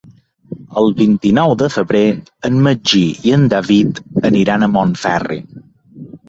El vint-i-nou de febrer en Magí i en David aniran a Montferri.